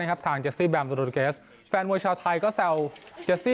นะครับทางเจสซี่แบมโรดิเกสแฟนมวยชาวไทยก็แสวเจสซี่